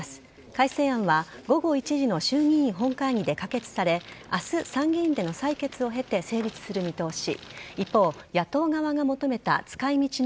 改正案は午後１時の衆議院本会議で可決され明日、参議院での採決を経て成立する見通し。